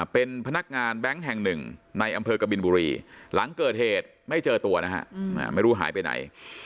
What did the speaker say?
เป็นพนักงานแบงค์แห่งหนึ่งในอำเภอกบินบุรีหลังเกิดเหตุไม่เจอตัวนะฮะไม่รู้หายไปไหน